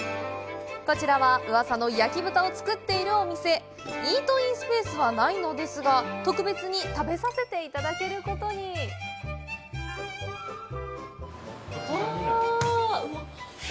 こちらはうわさの焼き豚を作っているお店イートインスペースはないのですが特別に食べさせて頂けることにこちらになります